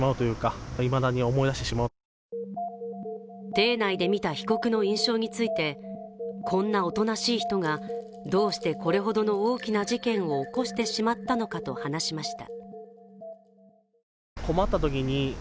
廷内で見た被告の印象について、こんなおとなしい人がどうして、これほどの大きな事件を起こしてしまったのかと話しました。